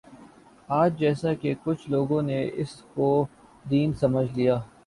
آج جیساکہ کچھ لوگوں نے اسی کو دین سمجھ لیا